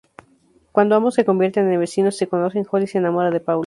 Cuando ambos se convierten en vecinos y se conocen, Holly se enamora de Paul.